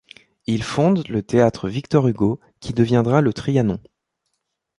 Il fonde le Théâtre Victor Hugo, qui deviendra le Trianon.